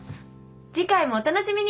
次回もお楽しみに。